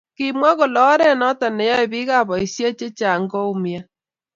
Kimwa kole oret noto ne yoe biikab boisie che chang koumian.